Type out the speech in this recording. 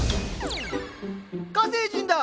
火星人だ！